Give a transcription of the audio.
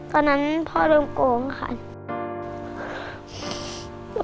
ตอนนั้นพ่อเริ่มโกงค่ะ